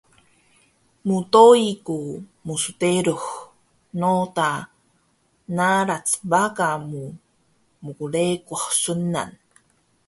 mdoi ku msderux noda narac baga mu mplekuh sunan